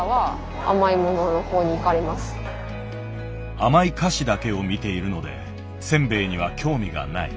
甘い菓子だけを見ているのでせんべいには興味がない。